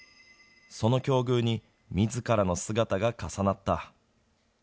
その境遇にみずからの姿が重なった。